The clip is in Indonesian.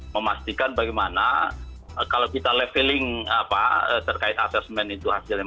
memastikan bagaimana kalau kita leveling terkait asesmen itu hasilnya